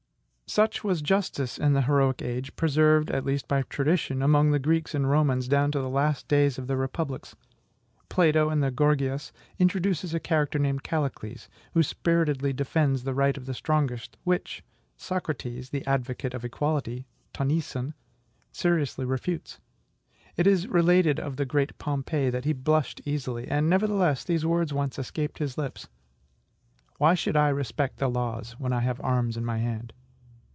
Such was justice in the heroic age, preserved, at least by tradition, among the Greeks and Romans down to the last days of their republics. Plato, in the "Gorgias," introduces a character named Callicles, who spiritedly defends the right of the strongest, which Socrates, the advocate of equality, {GREEK g e }, seriously refutes. It is related of the great Pompey, that he blushed easily, and, nevertheless, these words once escaped his lips: "Why should I respect the laws, when I have arms in my hand?"